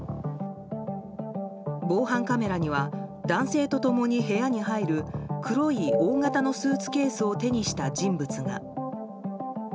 防犯カメラには男性と共に部屋に入る黒い大型のスーツケースを手にした人物が。